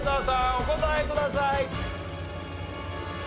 お答えください。